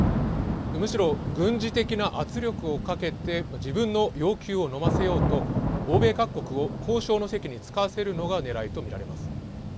むしろ軍事的な圧力をかけて自分の要求をのませようと欧米各国を交渉の席につかせるのがねらいとみられます。